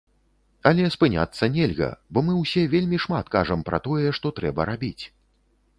Але спыняцца нельга, бо мы ўсе вельмі шмат кажам пра тое, што трэба рабіць.